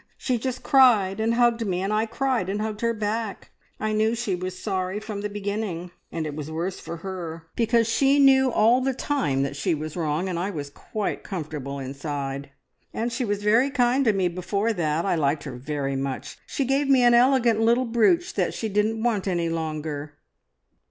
She just cried, and hugged me, and I cried, and hugged her back. I knew she was sorry from the beginning; and it was worse for her, because she knew all the time that she was wrong, and I was quite comfortable inside. And she was very kind to me before that. I liked her very much. She gave me an elegant little brooch that she didn't want any longer."